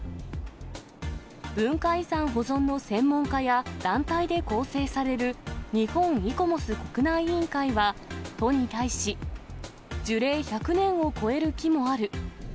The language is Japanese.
文化遺産保存の専門家や、団体で構成される日本イコモス国内委員会は、都に対し、樹齢１００年を超える木もある。